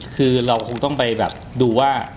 คือเราคงต้องไปแบบดูว่า